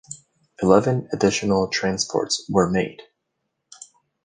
Eleven additional transports were made.